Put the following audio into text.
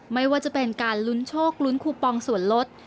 ไม่ว่าจะเป็นการลุ้นโชคลุ้นคูปองส่วนลด